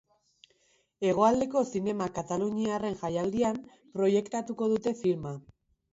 Hegoaldeko zinema kataluniarraren jaialdian proiektatuko dute filma.